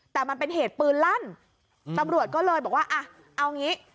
แต่มันเป็นเหตุปืนลั่นตำรวจก็เลยบอกว่าอ่ะเอางี้